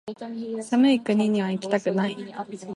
寒い国にはいきたくない